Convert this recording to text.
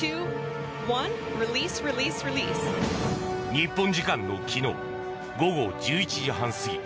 日本時間の昨日午後１１時半過ぎ